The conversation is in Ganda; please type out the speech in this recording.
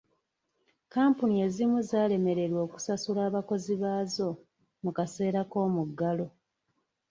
Kampuni ezimu zaalemererwa okusasula abakozi baazo mu kaseera k'omuggalo.